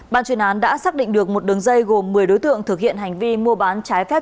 ban chuyên án đã xác định được một đường dây gồm một mươi đối tượng thực hiện hành vi mua bán trái phép